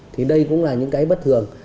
thì đây cũng là những cái bất thường